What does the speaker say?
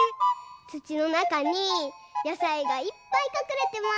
つちのなかにやさいがいっぱいかくれてます。